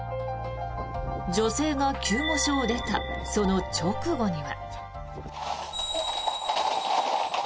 女性が救護所を出たその直後には。